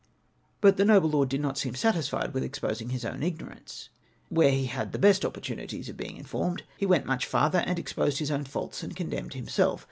" But the noble lord did not seem satisfied with exposing his own ignorance, where he had the best opportunities of being informed ; he went much farther, he exposed his own faults and condemned himself.